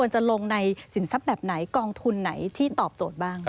จะลงในสินทรัพย์แบบไหนกองทุนไหนที่ตอบโจทย์บ้าง